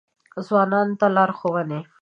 ځوانانو ته لارښوونې: